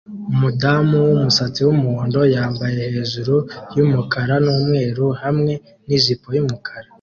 umudamu wumusatsi wumuhondo yambaye hejuru yumukara numweru hamwe nijipo yumukara